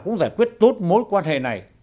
cũng giải quyết tốt mối quan hệ này